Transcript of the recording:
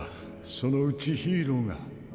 「そのうちヒーローが」